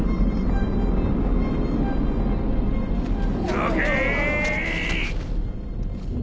どけ！